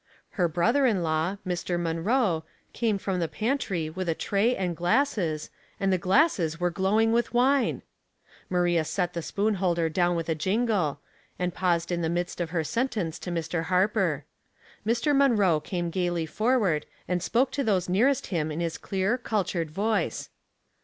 Her brother in law. Mr. Munroe, came from the pantry with a tray and glasses, and the glasses were glowing with wine ! Maria set the spoon holder down with a jincile, and paused in the midst of her sentence to Mr. Harper. Mr. Mun roe came gayly forward, and spoke to those nearest him in his clear, cultured voice.